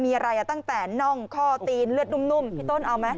มีอะไรตั้งแต่น่องข้อตีนเลือดนุ่มพี่ต้นเอาไหม